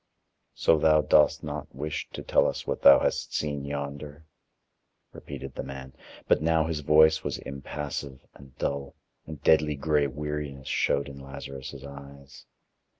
"So thou dost not wish to tell us what thou hast seen yonder?" repeated the man. But now his voice was impassive and dull, and deadly gray weariness showed in Lazarus' eyes.